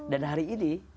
dan hari ini